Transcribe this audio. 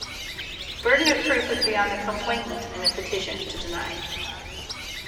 Burden of proof would be on the complainant in a petition to deny.